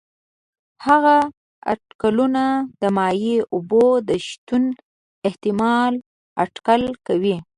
هغه اټکلونه د مایع اوبو د شتون احتمال اټکل کوي.